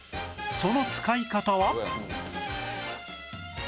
その使い方は